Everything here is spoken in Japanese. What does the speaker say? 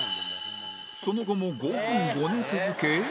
その後も５分ごね続け